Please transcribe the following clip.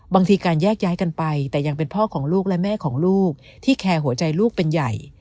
บางทีการแยกย้ายกันไปแต่ยังเป็นพ่อของลูกและแม่ของลูกที่แคร์หัวใจลูกเป็นใหญ่